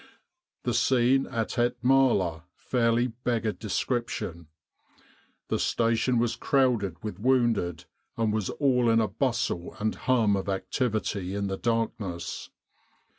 The scene at Et Maler fairly beggared description. The station was crowded with wounded, and was all in a bustle and hum of activity in the darkness.